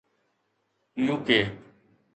U.K